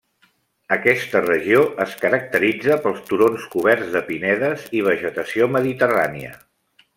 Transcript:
Aquesta regió es caracteritza pels turons coberts de pinedes i vegetació mediterrània.